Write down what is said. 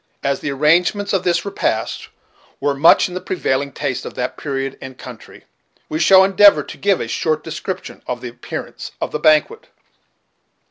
As the arrangements of this repast were much in the prevailing taste of that period and country, we shall endeavor to give a short description of the appearance of the banquet.